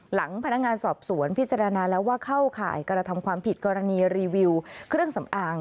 หลังพนักงานสอบสวนพิจารณาแล้วว่าเข้าข่ายกระทำความผิดกรณีรีวิวเครื่องสำอาง